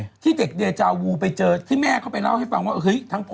เล่าเรื่องเด็กเดจาวูไปเจอที่แม่เขาไปเล่าแม่ทังพอ